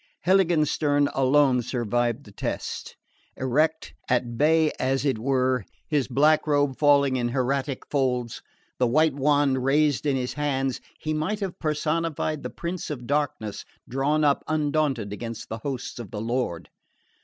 Heiligenstern alone survived the test. Erect, at bay as it were, his black robe falling in hieratic folds, the white wand raised in his hands, he might have personified the Prince of Darkness drawn up undaunted against the hosts of the Lord.